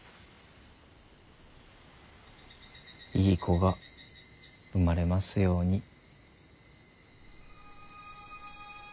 いい子が生まれますように。